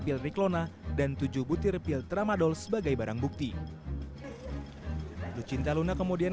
pil ricklona dan tujuh butir pil tramadol sebagai barang bukti lucinta luna kemudian